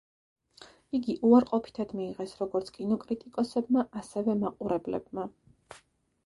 იგი უარყოფითად მიიღეს როგორც კინოკრიტიკოსებმა, ასევე მაყურებლებმა.